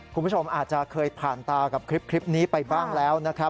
คุณผู้ชมอาจจะเคยผ่านตากับคลิปนี้ไปบ้างแล้วนะครับ